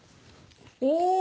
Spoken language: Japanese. お！